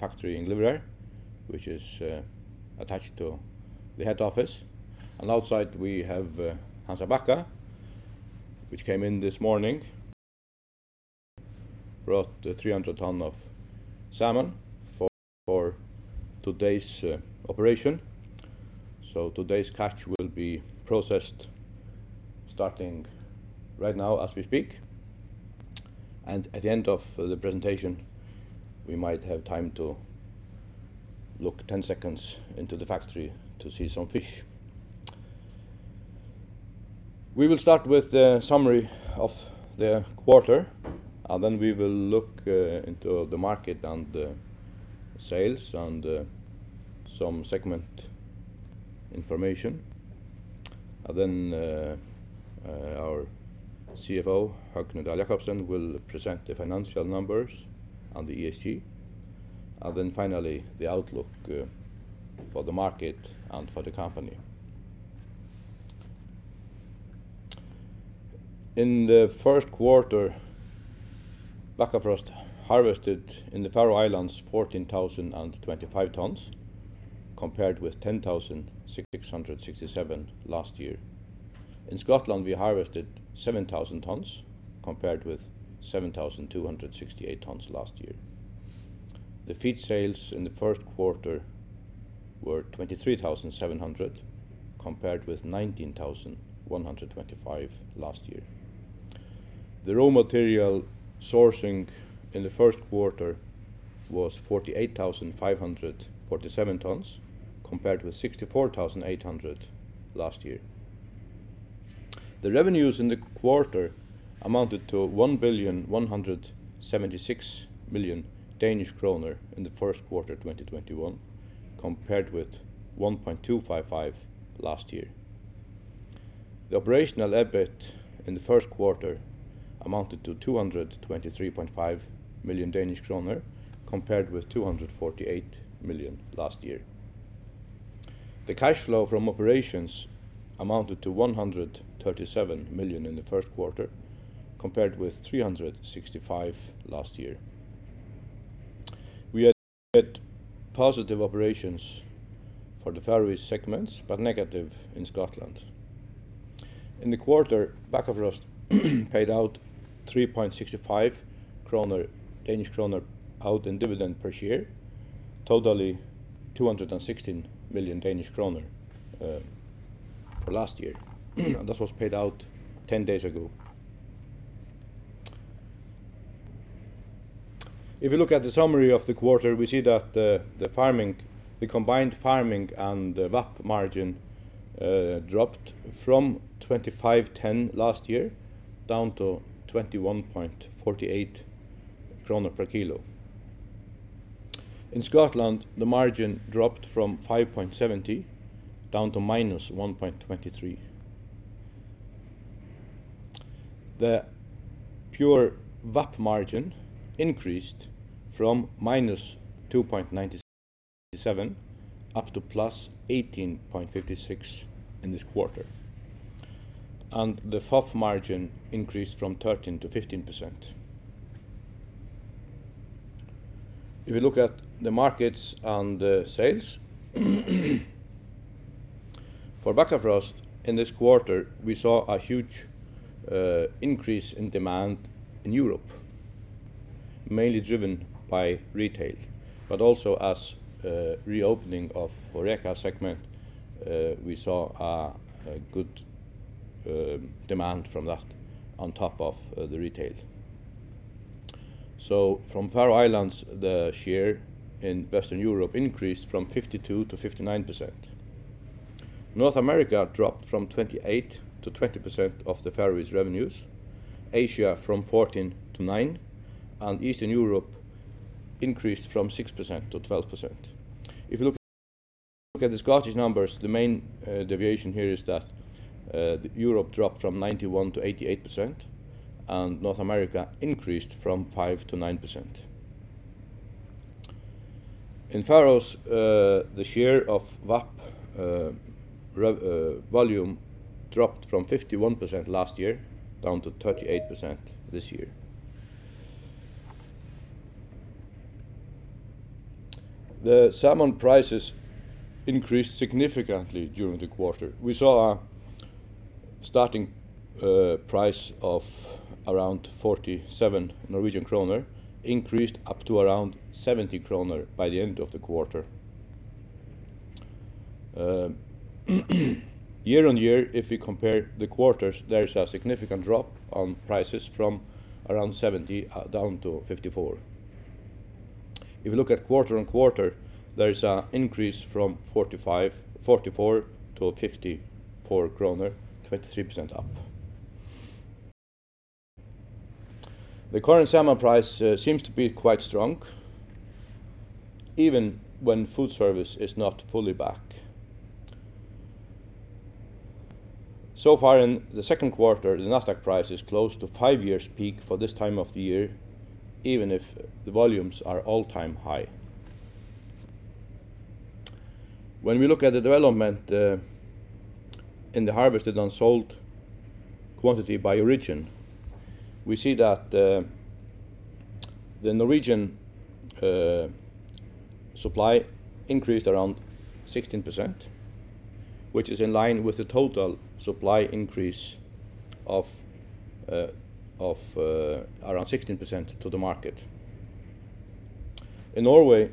Factory in Glyvrar, which is attached to the head office. Outside we have Hans á Bakka, which came in this morning, brought 300 tons of salmon for today's operation. Today's catch will be processed starting right now as we speak. At the end of the presentation, we might have time to look 10 seconds into the factory to see some fish. We will start with a summary of the quarter, then we will look into the market and the sales and some segment information. Our CFO, Høgni Dahl Jakobsen, will present the financial numbers and the ESG. Finally, the outlook for the market and for the company. In the first quarter, Bakkafrost harvested in the Faroe Islands 14,025 tons, compared with 10,667 last year. In Scotland, we harvested 7,000 tons, compared with 7,268 tons last year. The feed sales in the first quarter were 23,700, compared with 19,125 last year. The raw material sourcing in the first quarter was 48,547 tons, compared with 64,800 last year. The revenues in the quarter amounted to 1,176,000,000 Danish kroner in the first quarter 2021, compared with 1.255 last year. The operational EBIT in the first quarter amounted to 223.5 million Danish kroner, compared with 248 million last year. The cash flow from operations amounted to 137 million in the first quarter, compared with 365 million last year. We had positive operations for the Faroe segments, but negative in Scotland. In the quarter, Bakkafrost paid out 3.65 kroner out in dividend per share, totally 216 million Danish kroner for last year. That was paid out 10 days ago. If you look at the summary of the quarter, we see that the combined farming and the VAP margin dropped from 25.10 last year down to 21.48 kroner per kilo. In Scotland, the margin dropped from 5.70 down to -1.23. The pure VAP margin increased from -2.97 up to 18.56 in this quarter, and the FOF margin increased from 13%-15%. If you look at the markets and the sales, for Bakkafrost in this quarter, we saw a huge increase in demand in Europe, mainly driven by retail. Also as reopening of HORECA segment we saw a good demand from that on top of the retail. From Faroe Islands, the share in Western Europe increased from 52%-59%. North America dropped from 28%-20% of the Faroese revenues, Asia from 14%-9%, and Eastern Europe increased from 6% to 12%. If you look at the Scottish numbers, the main deviation here is that Europe dropped from 91%-88%, and North America increased from 5%-9%. In Faroes, the share of VAP volume dropped from 51% last year down to 38% this year. The salmon prices increased significantly during the quarter. We saw a starting price of around 47 Norwegian kroner increased up to around 70 kroner by the end of the quarter. Year-over-year, if we compare the quarters, there is a significant drop on prices from around 70 down to 54. If you look at quarter-over-quarter, there is an increase from 44-54 kroner, 23% up. The current salmon price seems to be quite strong even when food service is not fully back. Far in the second quarter, the Nasdaq price is close to five years' peak for this time of the year, even if the volumes are all-time high. When we look at the development in the harvested and sold quantity by origin, we see that the Norwegian supply increased around 16%, which is in line with the total supply increase of around 16% to the market. In Norway,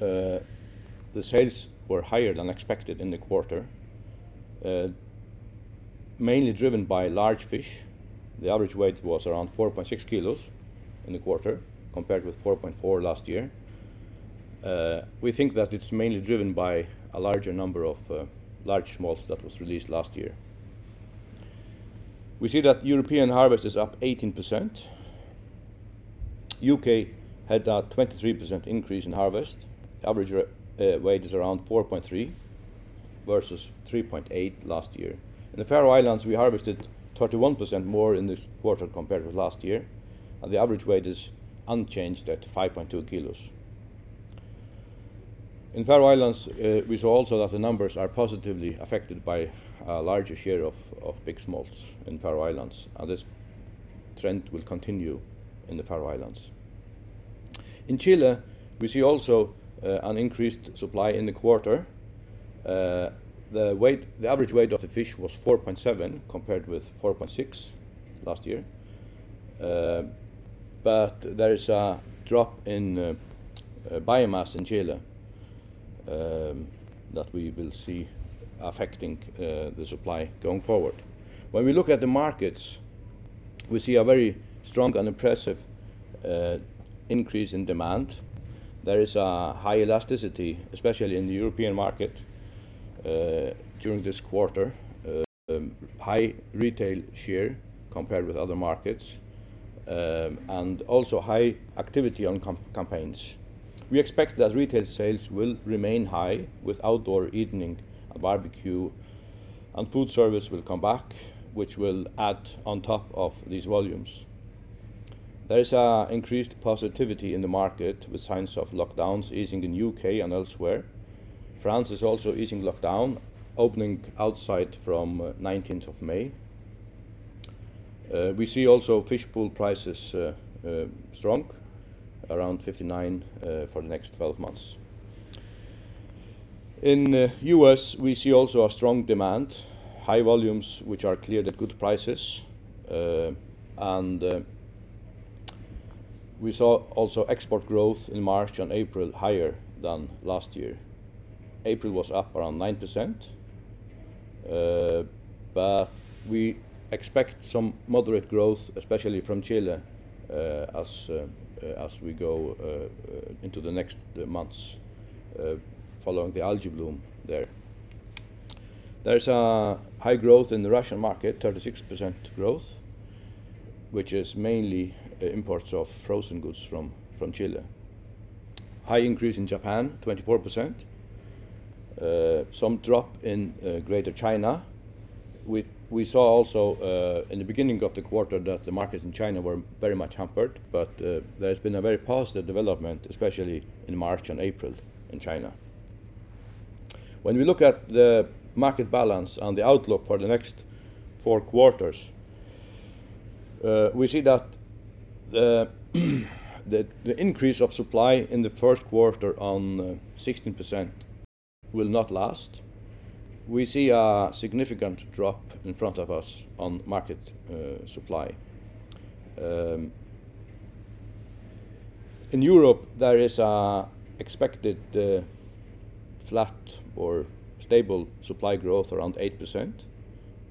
the sales were higher than expected in the quarter, mainly driven by large fish. The average weight was around 4.6 kilos in the quarter, compared with 4.4 last year. We think that it's mainly driven by a larger number of large smolts that was released last year. We see that European harvest is up 18%. U.K. had a 23% increase in harvest. The average weight is around 4.3 versus 3.8 last year. In the Faroe Islands, we harvested 31% more in this quarter compared with last year, and the average weight is unchanged at 5.2 kilos. In Faroe Islands, we saw also that the numbers are positively affected by a larger share of big smolts in Faroe Islands, and this trend will continue in the Faroe Islands. In Chile, we see also an increased supply in the quarter. The average weight of the fish was 4.7 compared with 4.6 last year. There is a drop in biomass in Chile that we will see affecting the supply going forward. When we look at the markets, we see a very strong and impressive increase in demand. There is a high elasticity, especially in the European market, during this quarter. High retail share compared with other markets, and also high activity on campaigns. We expect that retail sales will remain high with outdoor eating and barbecue and food service will come back, which will add on top of these volumes. There is increased positivity in the market with signs of lockdowns easing in the U.K. and elsewhere. France is also easing lockdown, opening outside from 19th of May. We see also Fish Pool prices strong, around 59 for the next 12 months. In the U.S., we see also a strong demand, high volumes which are cleared at good prices. We saw also export growth in March and April higher than last year. April was up around 9%, but we expect some moderate growth, especially from Chile, as we go into the next months following the algae bloom there. There is a high growth in the Russian market, 36% growth, which is mainly imports of frozen goods from Chile. High increase in Japan, 24%. Some drop in Greater China. We saw also in the beginning of the quarter that the markets in China were very much hampered, but there has been a very positive development, especially in March and April in China. When we look at the market balance and the outlook for the next four quarters, we see that the increase of supply in the first quarter on 16% will not last. We see a significant drop in front of us on market supply. In Europe, there is expected flat or stable supply growth around 8%,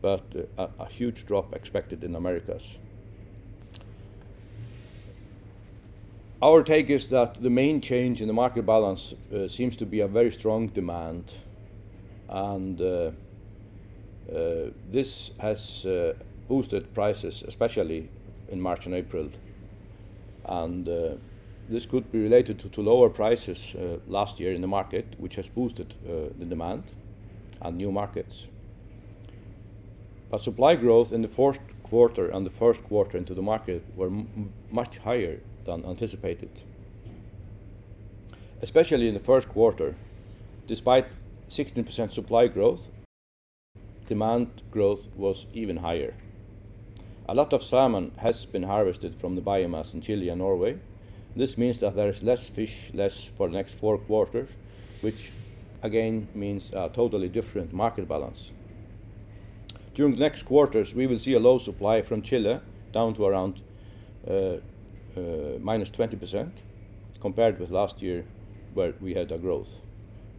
but a huge drop expected in Americas. Our take is that the main change in the market balance seems to be a very strong demand, and this has boosted prices, especially in March and April. This could be related to lower prices last year in the market, which has boosted the demand and new markets. Supply growth in the fourth quarter and the first quarter into the market were much higher than anticipated. Especially in the first quarter, despite 16% supply growth, demand growth was even higher. A lot of salmon has been harvested from the biomass in Chile and Norway. This means that there is less fish for the next four quarters, which again means a totally different market balance. During the next quarters, we will see a low supply from Chile down to around -20% compared with last year where we had a growth.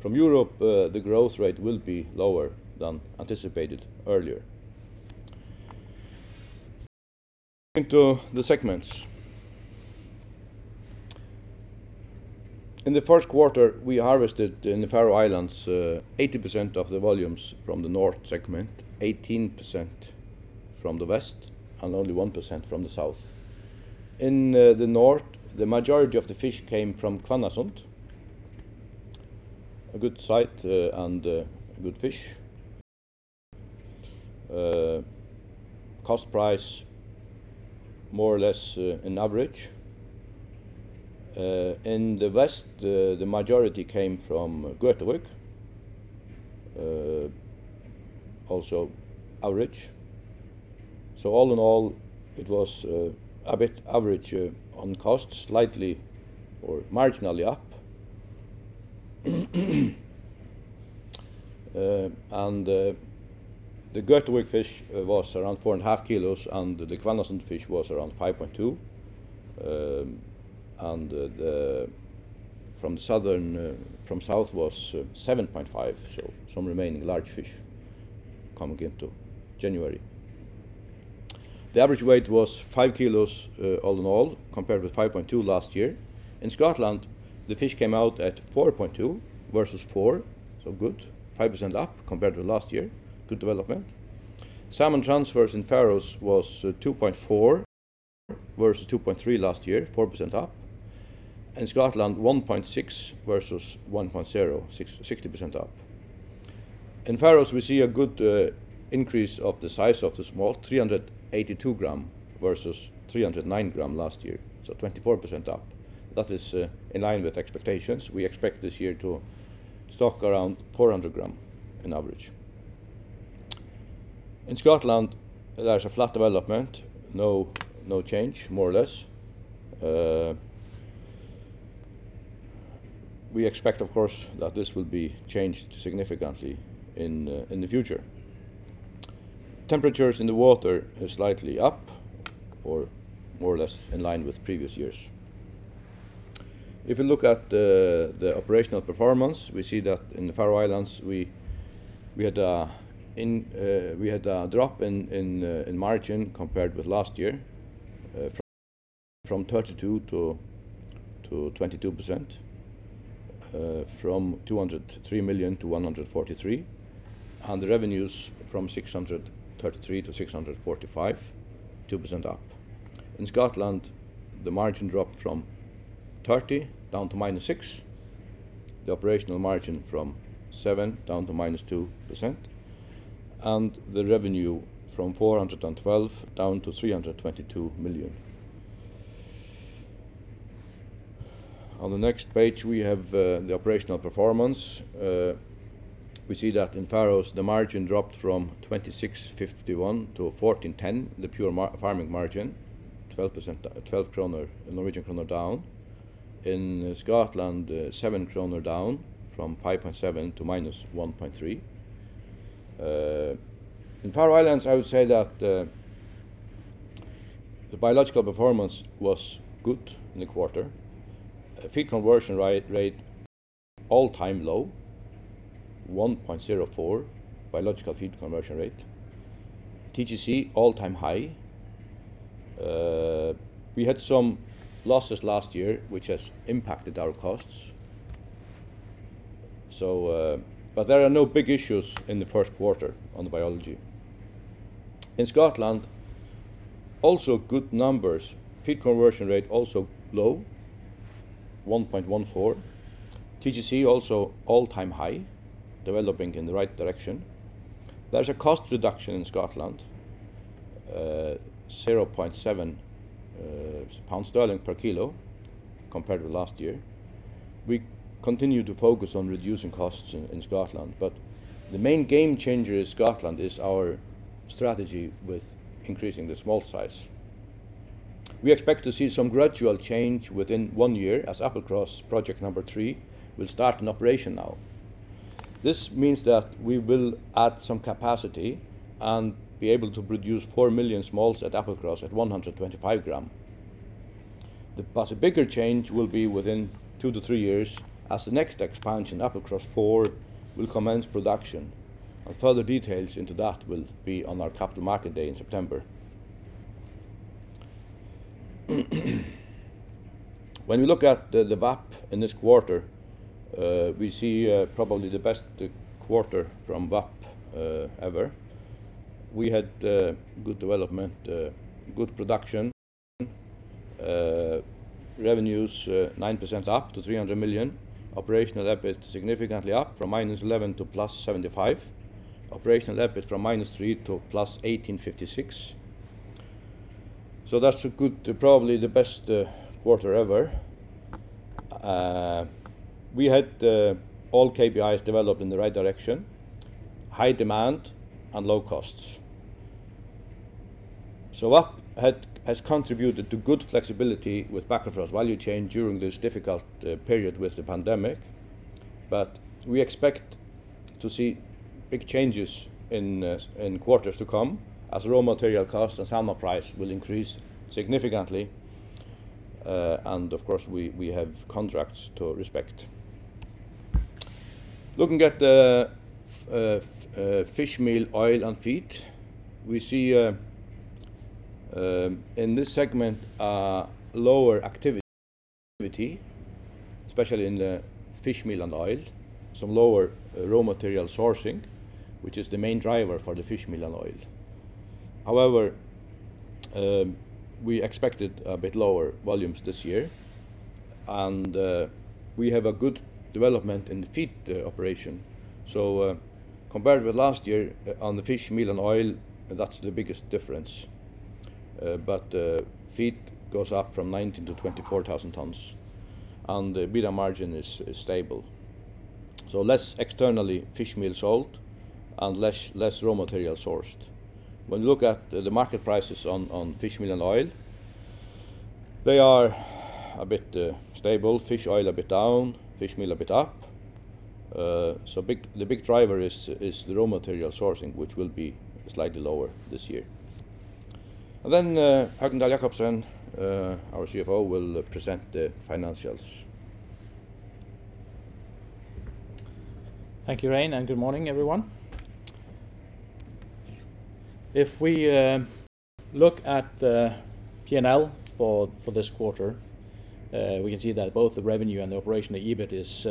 From Europe, the growth rate will be lower than anticipated earlier. Going to the segments. In the first quarter, we harvested in the Faroe Islands, 80% of the volumes from the north segment, 18% from the west, and only 1% from the south. In the north, the majority of the fish came from Hvannasund, a good site and good fish. Cost price more or less an average. In the west, the majority came from Gøtuvík, also average. All in all, it was a bit average on cost, slightly or marginally up. The Gøtuvík fish was around 4.5 kilos, and the Hvannasund fish was around 5.2. From south was 7.5, so some remaining large fish coming into January. The average weight was 5 kilos all in all, compared with 5.2 last year. In Scotland, the fish came out at 4.2 versus 4, so good. 5% up compared to last year. Good development. Salmon transfers in Faroes was 2.4 versus 2.3 last year, 4% up. In Scotland, 1.6 versus 1.0, 60% up. In Faroe Islands, we see a good increase of the size of the smolt, 382 gram versus 309 gram last year, so 24% up. That is in line with expectations. We expect this year to stock around 400 gram in average. In Scotland, there is a flat development. No change, more or less. We expect, of course, that this will be changed significantly in the future. Temperatures in the water are slightly up or more or less in line with previous years. If you look at the operational performance, we see that in the Faroe Islands, we had a drop in margin compared with last year from 32%-22%, from 203 million-143 million, and the revenues from 633 million-645 million, 2% up. In Scotland, the margin dropped from 30 down to -6, the operational margin from 7% down to -2%, and the revenue from 412 million down to 322 million. On the next page, we have the operational performance. We see that in Faroes, the margin dropped from 26.51-14.10, the pure farming margin, 12 down. In Scotland, 7 kroner down from 5.7 to -1.3. In Faroe Islands, I would say that the biological performance was good in the quarter. feed conversion rate, all-time low, 1.04 biological feed conversion rate. TGC, all-time high. We had some losses last year, which has impacted our costs. There are no big issues in the first quarter on the biology. In Scotland, also good numbers. feed conversion rate also low, 1.14. TGC also all-time high, developing in the right direction. There's a cost reduction in Scotland, 0.7 pounds per kilo compared to last year. We continue to focus on reducing costs in Scotland. The main game changer in Scotland is our strategy with increasing the smolt size. We expect to see some gradual change within one year as Applecross project number three will start in operation now. This means that we will add some capacity and be able to produce four million smolts at Applecross at 125 grams. A bigger change will be within two-three years as the next expansion, Applecross 4, will commence production, and further details into that will be on our Capital Markets Day in September. When we look at the VAP in this quarter, we see probably the best quarter from VAP ever. We had good development, good production. Revenues 9% up to 300 million. Operational EBIT significantly up from -11-+75. Operational EBIT from -3-+18.56. That's probably the best quarter ever. We had all KPIs develop in the right direction, high demand and low costs. VAP has contributed to good flexibility with Bakkafrost value chain during this difficult period with the pandemic, but we expect to see big changes in quarters to come as raw material cost and salmon price will increase significantly. Of course, we have contracts to respect. Looking at fish meal, oil, and feed, we see in this segment a lower activity, especially in the fish meal and oil. Some lower raw material sourcing, which is the main driver for the fish meal and oil. However, we expected a bit lower volumes this year, and we have a good development in the feed operation. Compared with last year on the fish meal and oil, that's the biggest difference. Feed goes up from 19,000-24,000 tons, and the EBITDA margin is stable. Less externally fish meal sold and less raw material sourced. When you look at the market prices on fish meal and oil, they are a bit stable. Fish oil a bit down, fish meal a bit up. The big driver is the raw material sourcing, which will be slightly lower this year. Then Høgni Dahl Jakobsen, our CFO, will present the financials. Thank you, Regin, and good morning, everyone. If we look at the P&L for this quarter, we can see that both the revenue and the operational EBIT is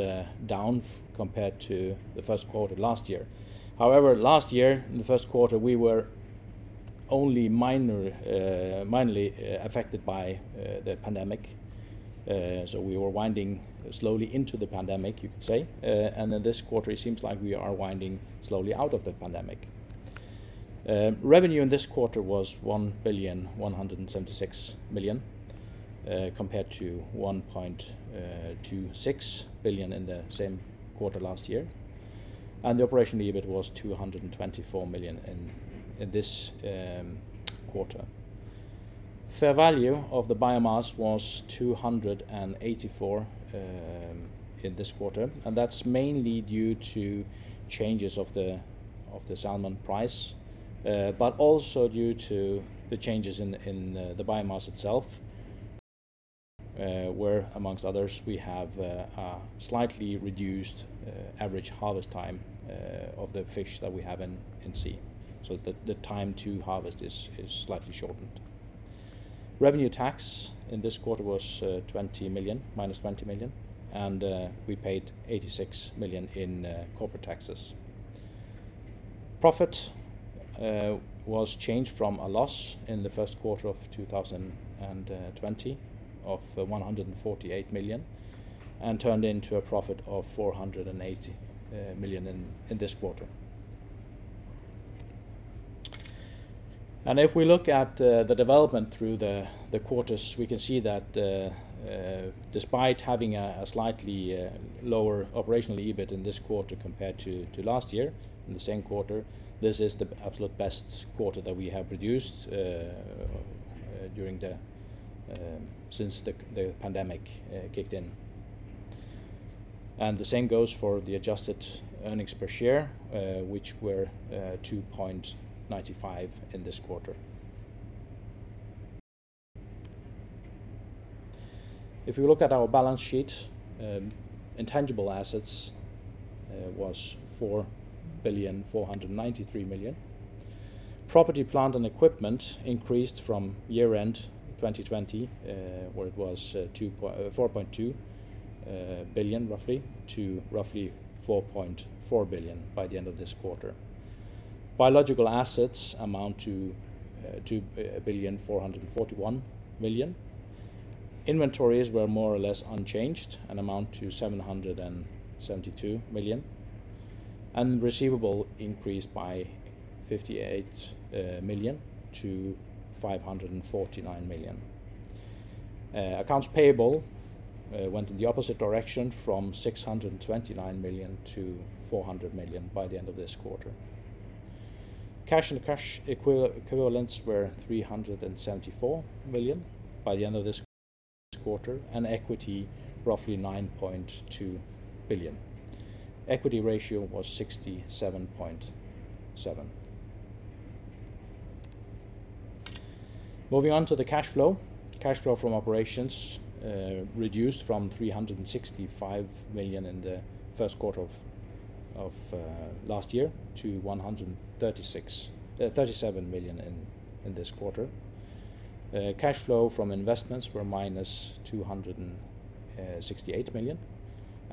down compared to the first quarter last year. However, last year in the first quarter, we were only minorly affected by the pandemic. We were winding slowly into the pandemic, you could say. This quarter, it seems like we are winding slowly out of the pandemic. Revenue in this quarter was 1,176 million, compared to 1.26 billion in the same quarter last year. The operational EBIT was 224 million in this quarter. Fair value of the biomass was 284 million in this quarter. That's mainly due to changes of the salmon price, but also due to the changes in the biomass itself, where amongst others, we have a slightly reduced average harvest time of the fish that we have in sea. The time to harvest is slightly shortened. Revenue tax in this quarter was -20 million. We paid 86 million in corporate taxes. Profit was changed from a loss in the first quarter of 2020 of 148 million, turned into a profit of 480 million in this quarter. If we look at the development through the quarters, we can see that despite having a slightly lower operational EBIT in this quarter compared to last year in the same quarter, this is the absolute best quarter that we have produced since the pandemic kicked in. The same goes for the adjusted earnings per share, which were 2.95 in this quarter. If we look at our balance sheet, intangible assets was 4.493 billion. Property, plant, and equipment increased from year-end 2020, where it was 4.2 billion, roughly, to roughly 4.4 billion by the end of this quarter. Biological assets amount to 2.441 billion. Inventories were more or less unchanged and amount to 772 million. Receivable increased by 58 million-549 million. Accounts payable went in the opposite direction from 629 million-400 million by the end of this quarter. Cash and cash equivalents were 374 million by the end of this quarter, and equity roughly 9.2 billion. Equity ratio was 67.7%. Moving on to the cash flow. Cash flow from operations reduced from 365 million in the first quarter of last year to 137 million in this quarter. Cash flow from investments were -268 million,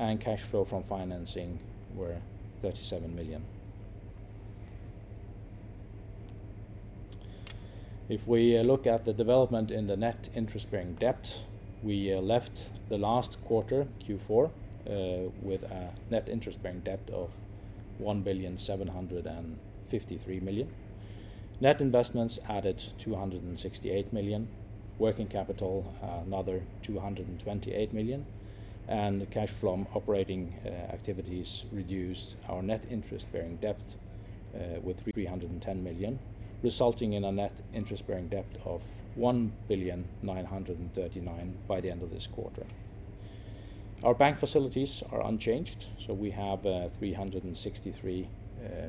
and cash flow from financing were 37 million. If we look at the development in the net interest-bearing debt, we left the last quarter, Q4, with a net interest-bearing debt of 1,753,000,000. Net investments added 268 million. Working capital, another 228 million. Cash from operating activities reduced our net interest-bearing debt with 310 million, resulting in a net interest-bearing debt of 1,939,000,000 by the end of this quarter. Our bank facilities are unchanged, we have a 363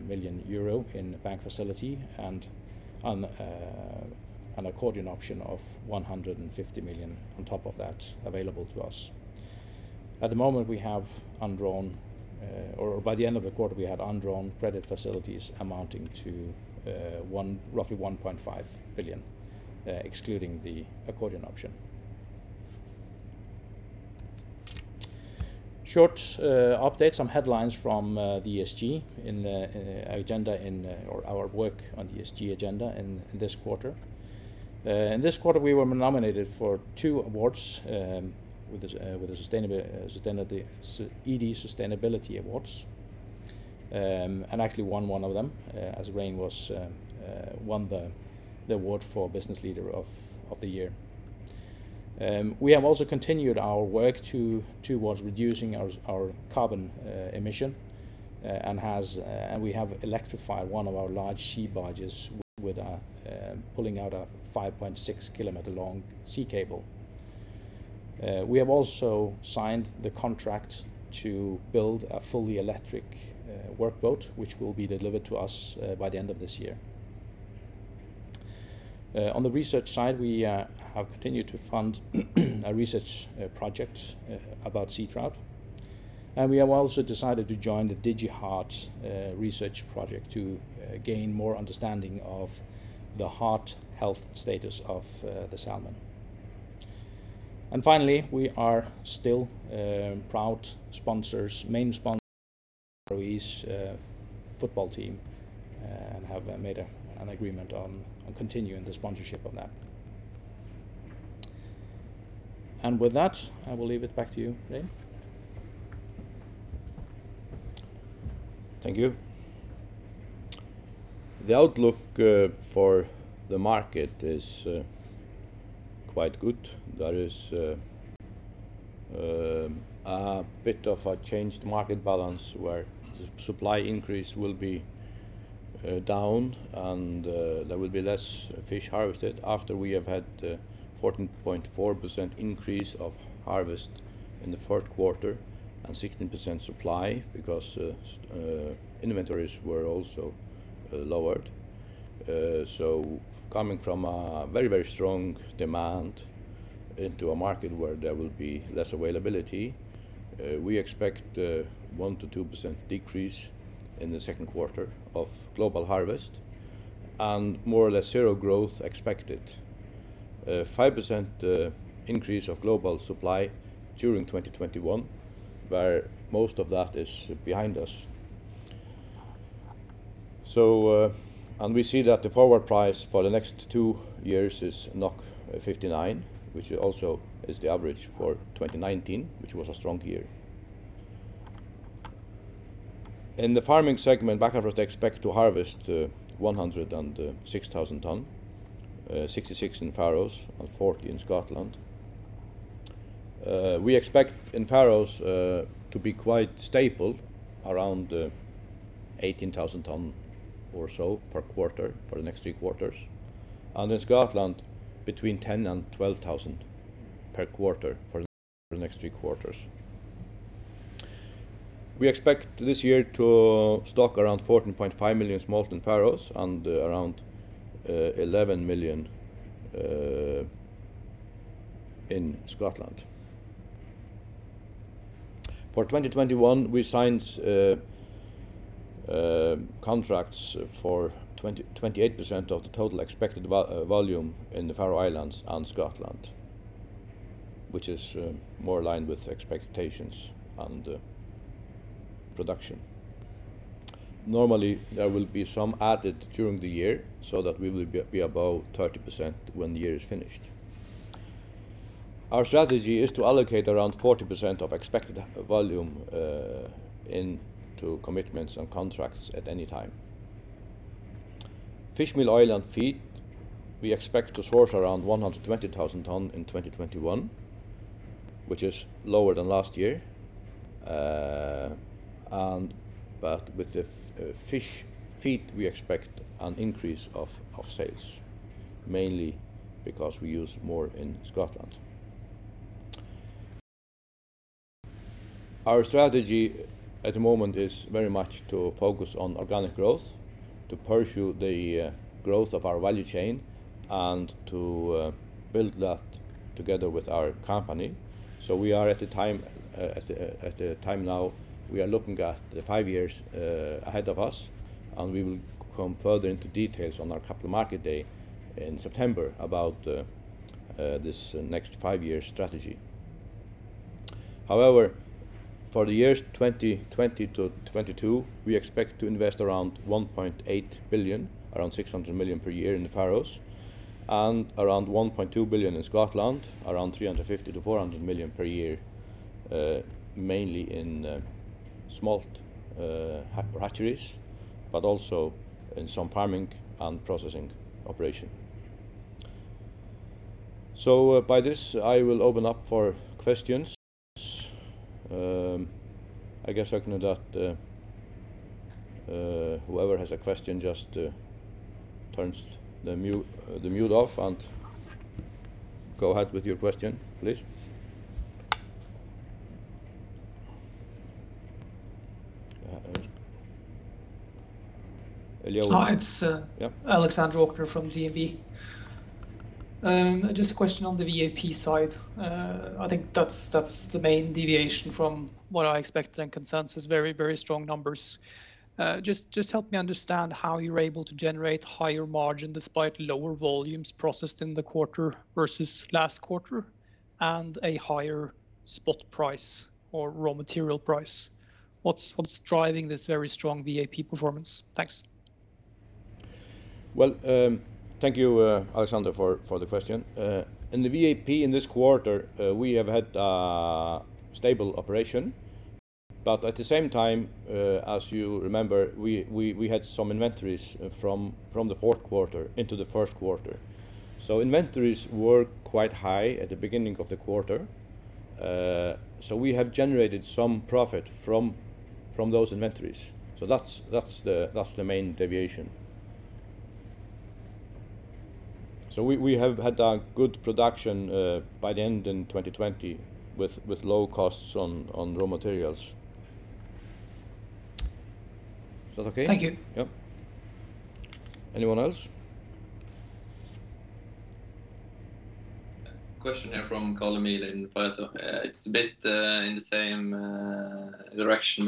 million euro in bank facility and an accordion option of 150 million on top of that available to us. At the moment by the end of the quarter, we had undrawn credit facilities amounting to roughly 1.5 billion, excluding the accordion option. Short update, some headlines from the ESG agenda or our work on the ESG agenda in this quarter. In this quarter, we were nominated for two awards with the edie Sustainability Awards, actually won one of them, as Regin won the award for Business Leader of the Year. We have also continued our work towards reducing our carbon emission, we have electrified one of our large sea barges with pulling out a 5.6-km-long sea cable. We have also signed the contract to build a fully electric workboat, which will be delivered to us by the end of this year. On the research side, we have continued to fund a research project about sea trout, we have also decided to join the DigiHeart research project to gain more understanding of the heart health status of the salmon. Finally, we are still proud sponsors, main sponsors of the Faroese football team and have made an agreement on continuing the sponsorship of that. With that, I will leave it back to you, Regin. Thank you. The outlook for the market is quite good. There is a bit of a changed market balance where the supply increase will be down, and there will be less fish harvested after we have had a 14.4% increase of harvest in the fourth quarter and 16% supply because inventories were also lowered. Coming from a very strong demand into a market where there will be less availability, we expect a 1%-2% decrease in the second quarter of global harvest and more or less zero growth expected. 5% increase of global supply during 2021, where most of that is behind us. We see that the forward price for the next two years is 59, which also is the average for 2019, which was a strong year. In the farming segment, Bakkafrost expects to harvest 106,000 tonnes, 66 in Faroes and 40 in Scotland. We expect in Faroes to be quite stable, around 18,000 tonnes or so per quarter for the next three quarters, and in Scotland, between 10,000 and 12,000 per quarter for the next three quarters. We expect this year to stock around 14.5 million smolt in Faroes and around 11 million in Scotland. For 2021, we signed contracts for 28% of the total expected volume in the Faroe Islands and Scotland, which is more in line with expectations and production. Normally, there will be some added during the year so that we will be above 30% when the year is finished. Our strategy is to allocate around 40% of expected volume into commitments and contracts at any time. Fishmeal, oil, and feed, we expect to source around 120,000 tonnes in 2021, which is lower than last year. With the fish feed, we expect an increase of sales, mainly because we use more in Scotland. Our strategy at the moment is very much to focus on organic growth, to pursue the growth of our value chain, and to build that together with our company. We are at the time now, we are looking at the five years ahead of us, and we will come further into details on our Capital Markets Day in September about this next five-year strategy. However, for the years 2020- 2022, we expect to invest around 1.8 billion, around 600 million per year in the Faroes, and around 1.2 billion in Scotland, around 350 million-400 million per year, mainly in smolt hatcheries, but also in some farming and processing operation. By this, I will open up for questions. I guess I can adopt whoever has a question just turns the mute off and go ahead with your question, please. Hello? It is Alexander Aukner from DNB. Just a question on the VAP side. I think that is the main deviation from what I expected and consensus. Very strong numbers. Just help me understand how you are able to generate higher margin despite lower volumes processed in the quarter versus last quarter and a higher spot price or raw material price. What is driving this very strong VAP performance? Thanks. Well, thank you, Alexander, for the question. In the VAP in this quarter, we have had a stable operation. At the same time, as you remember, we had some inventories from the fourth quarter into the first quarter. Inventories were quite high at the beginning of the quarter. We have generated some profit from those inventories. That's the main deviation. We have had a good production by the end in 2020 with low costs on raw materials. Is that okay? Thank you. Yep. Anyone else? Question here from Carl-Emil in Pareto. It is a bit in the same direction.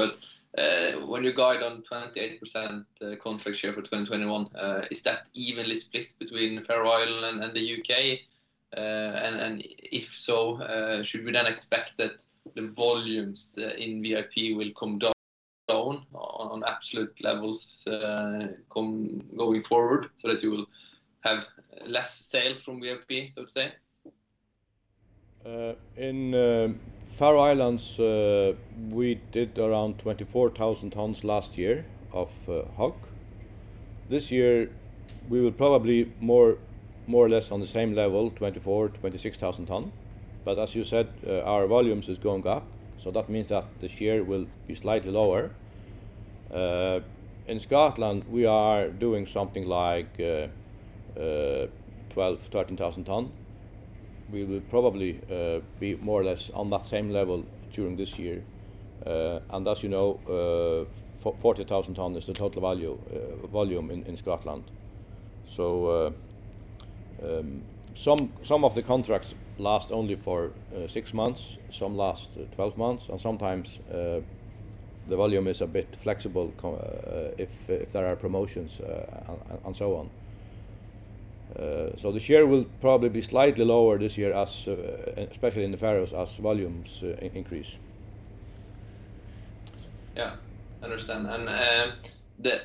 When you guide on 28% contract share for 2021, is that evenly split between Faroe Islands and the U.K.? If so, should we then expect that the volumes in VAP will come down on absolute levels going forward so that you will have less sales from VAP, so to say? In Faroe Islands, we did around 24,000 tons last year of harvest. This year, we will probably more or less on the same level, 24,000-26,000 tons. As you said, our volumes is going up, so that means that the share will be slightly lower. In Scotland, we are doing something like 12,000-13,000 tons. We will probably be more or less on that same level during this year. As you know 40,000 tons is the total volume in Scotland. Some of the contracts last only for six months, some last 12 months, and sometimes the volume is a bit flexible if there are promotions and so on. The share will probably be slightly lower this year, especially in the Faroes, as volumes increase. Yeah. Understand.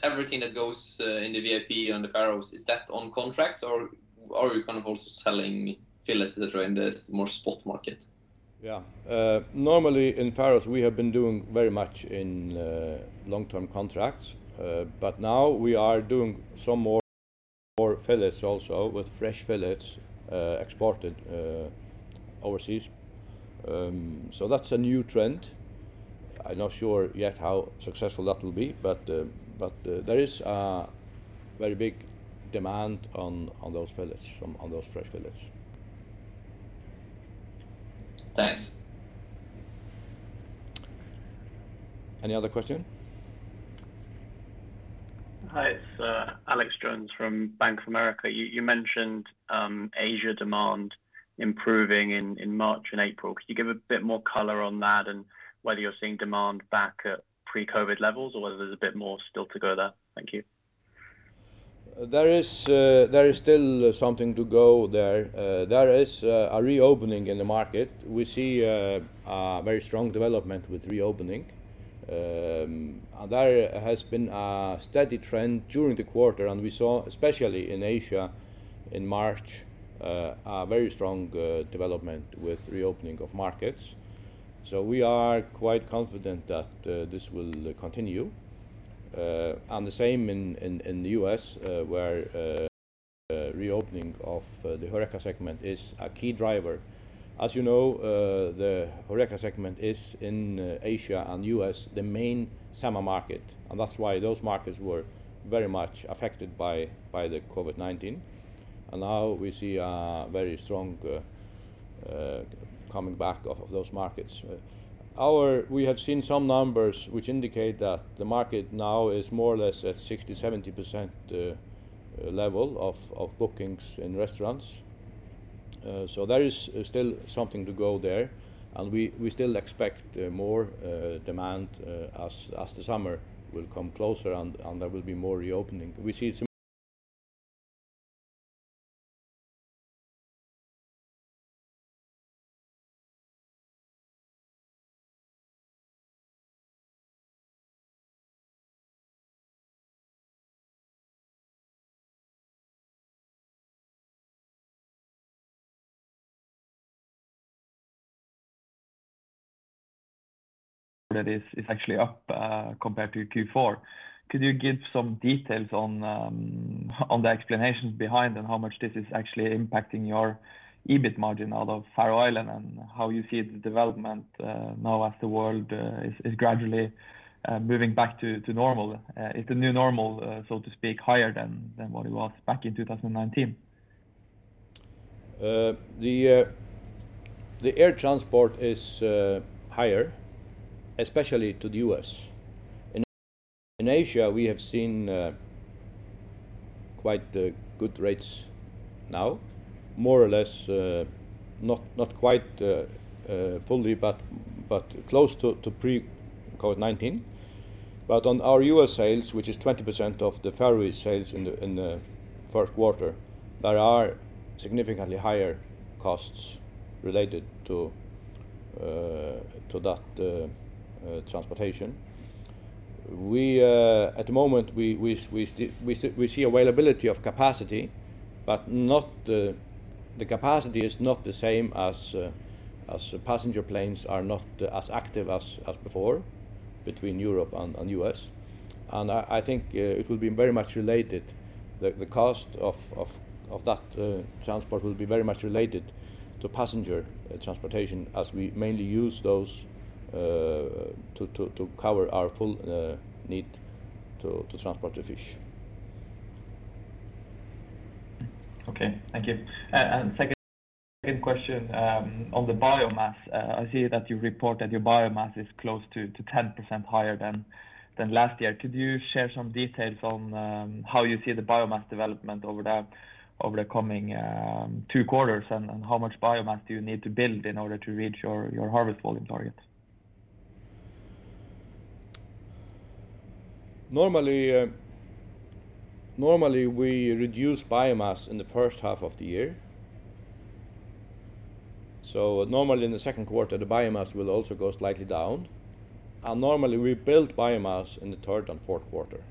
Everything that goes in the VAP on the Faroes, is that on contracts or are you kind of also selling fillets that are in the more spot market? Yeah. Normally in Faroes, we have been doing very much in long-term contracts. Now we are doing some more fillets also with fresh fillets exported overseas. That's a new trend. I'm not sure yet how successful that will be, but there is a very big demand on those fresh fillets. Thanks. Any other question? Hi, it's Alex Jones from Bank of America. You mentioned Asia demand improving in March and April. Could you give a bit more color on that and whether you're seeing demand back at pre-COVID levels or whether there's a bit more still to go there? Thank you. There is still something to go there. There is a reopening in the market. We see a very strong development with reopening. There has been a steady trend during the quarter, and we saw, especially in Asia in March, a very strong development with reopening of markets. We are quite confident that this will continue. The same in the U.S. where reopening of the HORECA segment is a key driver. As you know, the HORECA segment is in Asia and U.S., the main summer market, and that's why those markets were very much affected by the COVID-19. Now we see a very strong coming back of those markets. We have seen some numbers which indicate that the market now is more or less at 60%, 70% level of bookings in restaurants. There is still something to go there, we still expect more demand as the summer will come closer and there will be more reopening. That is actually up compared to Q4. Could you give some details on the explanations behind and how much this is actually impacting your EBIT margin out of Faroe Islands and how you see the development now as the world is gradually moving back to normal? Is the new normal, so to speak, higher than what it was back in 2019? The air transport is higher, especially to the U.S. In Asia, we have seen quite good rates now, more or less, not quite fully, but close to pre-COVID-19. On our U.S. sales, which is 20% of the Faroese sales in the first quarter, there are significantly higher costs related to that transportation. At the moment, we see availability of capacity, but the capacity is not the same, as passenger planes are not as active as before between Europe and U.S. I think the cost of that transport will be very much related to passenger transportation, as we mainly use those to cover our full need to transport the fish. Okay. Thank you. Second question on the biomass. I see that you report that your biomass is close to 10% higher than last year. Could you share some details on how you see the biomass development over the coming two quarters, and how much biomass do you need to build in order to reach your harvest volume target? Normally, we reduce biomass in the first half of the year. Normally in the second quarter, the biomass will also go slightly down, and normally we build biomass in the third and fourth quarter.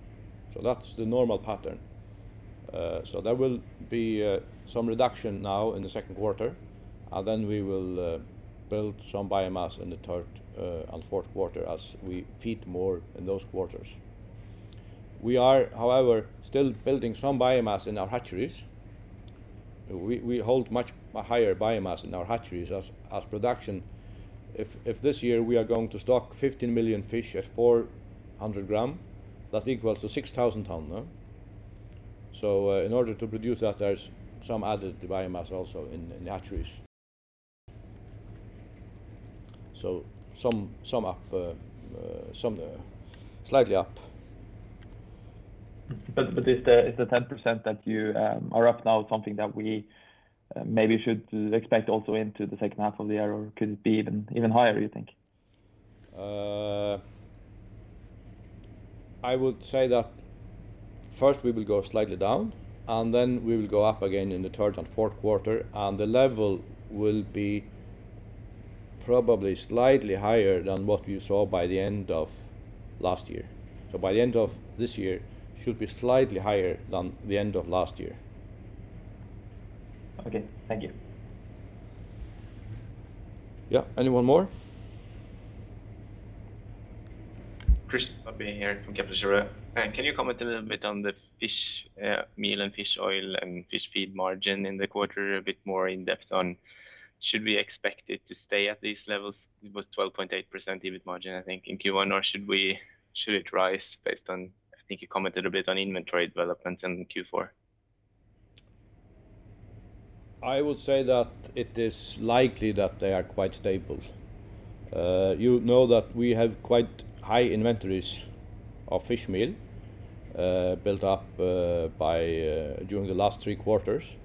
That's the normal pattern. There will be some reduction now in the second quarter, and then we will build some biomass in the third and fourth quarter as we feed more in those quarters. We are, however, still building some biomass in our hatcheries. We hold much higher biomass in our hatcheries as production. If this year we are going to stock 15 million fish at 400 gram, that equals to 6,000 ton. In order to produce that, there's some added biomass also in the hatcheries. Some slightly up. Is the 10% that you are up now something that we maybe should expect also into the second half of the year, or could it be even higher, you think? I would say that first we will go slightly down, and then we will go up again in the third and fourth quarter, and the level will be probably slightly higher than what you saw by the end of last year. By the end of this year should be slightly higher than the end of last year. Okay. Thank you. Yeah. Anyone more? Christian Olsen Nordby here from Kepler Cheuvreux. Can you comment a little bit on the fish meal and fish oil and fish feed margin in the quarter, a bit more in depth on should we expect it to stay at these levels? It was 12.8% EBIT margin, I think, in Q1, or should it rise based on, I think you commented a bit on inventory developments in Q4. I would say that it is likely that they are quite stable. You know that we have quite high inventories of fish meal built up during the last three quarters,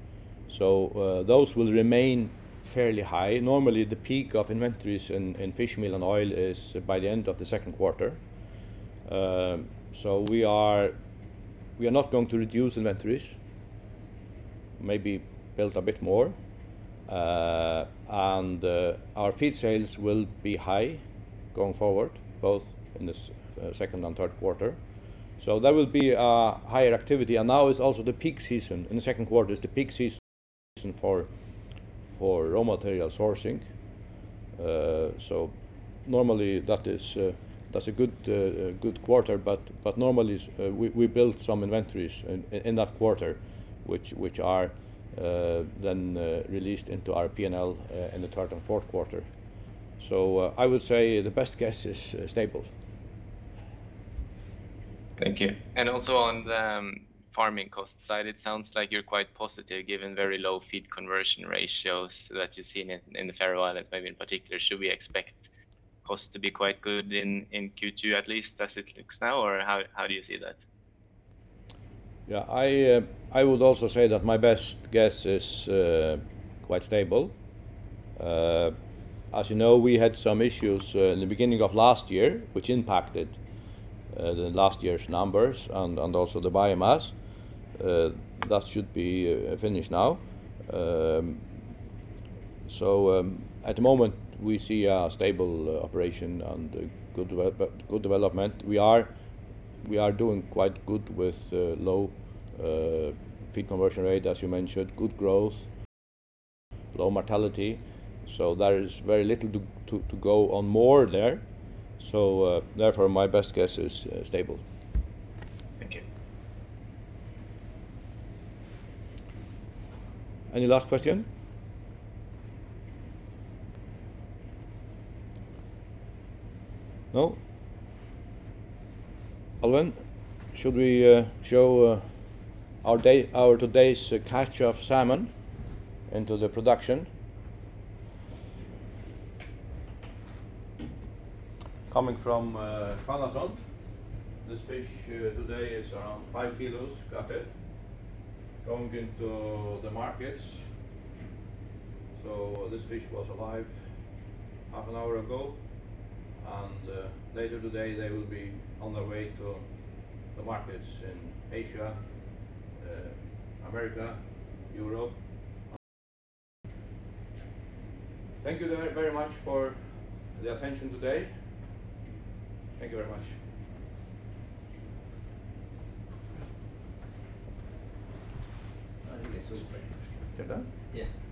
so those will remain fairly high. Normally, the peak of inventories in fish meal and oil is by the end of the second quarter. We are not going to reduce inventories, maybe build a bit more. Our feed sales will be high going forward, both in the second and third quarter. There will be a higher activity. Now is also the peak season. In the second quarter is the peak season for raw material sourcing. Normally that's a good quarter, but normally we build some inventories in that quarter, which are then released into our P&L in the third and fourth quarter. I would say the best guess is stable. Thank you. Also on the farming cost side, it sounds like you're quite positive given very low feed conversion ratios that you're seeing in the Faroe Islands maybe in particular. Should we expect costs to be quite good in Q2 at least as it looks now, or how do you see that? Yeah. I would also say that my best guess is quite stable. As you know, we had some issues in the beginning of last year, which impacted last year's numbers and also the biomass. That should be finished now. At the moment, we see a stable operation and a good development. We are doing quite good with low feed conversion rate, as you mentioned, good growth, low mortality. There is very little to go on more there. Therefore, my best guess is stable. Thank you. Any last question? No? Alvin, should we show our today's catch of salmon into the production? Coming from Hvannasund. This fish today is around 5 kilos cut in, going into the markets. This fish was alive half an hour ago, and later today, they will be on their way to the markets in Asia, America, Europe. Thank you very much for the attention today. Thank you very much. I think it's all clear. Get down?